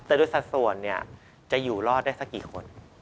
แต่ด้วยสัดส่วนเนี่ยจะอยู่รอดได้สักกี่คน